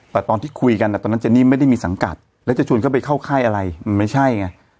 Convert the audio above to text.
แต่ตอนที่คุยกันตอนนั้นเจนี่ไม่ได้มีสังกัดแล้วจะชวนเข้าไปเข้าค่ายอะไรมันไม่ใช่ไง